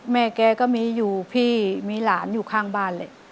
แม่แกก็มีอยู่พี่มีหลานอยู่ข้างบ้านเลย